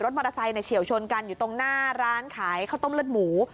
มอเตอร์ไซค์เฉียวชนกันอยู่ตรงหน้าร้านขายข้าวต้มเลือดหมู